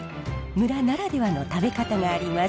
村ならではの食べ方があります。